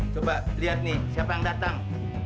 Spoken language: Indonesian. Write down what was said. coba lihat nih siapa yang datang